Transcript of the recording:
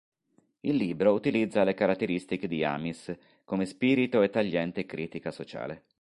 Il libro utilizza le caratteristiche di Amis, come spirito e tagliente critica sociale.